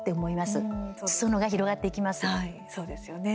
すそ野が広がっていきます。